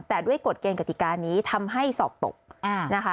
แต่ด้วยกฎเกณฑ์กติกานี้ทำให้สอบตกนะคะ